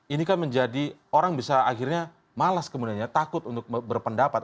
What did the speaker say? ini kan menjadi orang bisa akhirnya malas kemudian ya takut untuk berpendapat